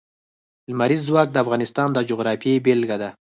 لمریز ځواک د افغانستان د جغرافیې بېلګه ده.